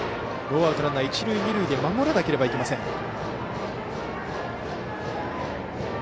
ノーアウトランナー、一塁二塁で守らなければいけません。